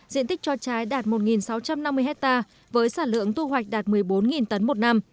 diện tích cho trái đạt một sáu trăm năm mươi hectare với sản lượng thu hoạch đạt một mươi bốn tấn một năm